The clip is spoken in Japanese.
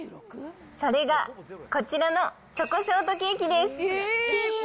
それがこちらのチョコショートケーキです。